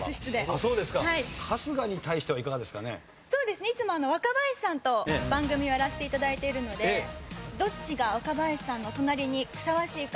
そうですねいつも若林さんと番組をやらせて頂いているのでどっちが若林さんの隣にふさわしいか。